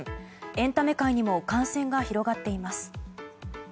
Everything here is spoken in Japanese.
エンタメ界にも感染が広がっています。